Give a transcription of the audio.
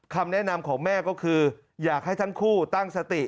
คำแนะนำของแม่ก็คืออยากให้ทั้งคู่ตั้งสติ